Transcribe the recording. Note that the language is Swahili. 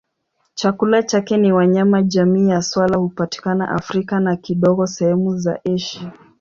Chakula chake ni wanyama jamii ya swala hupatikana Afrika na kidogo sehemu za Asia.